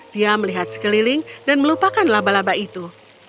dia melihat sekeliling dan melupakan laba laba itu